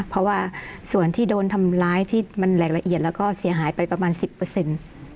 เพราะว่าส่วนที่โดนทำร้ายที่มันแหละละเอียดแล้วก็เสียหายไปประมาณ๑๐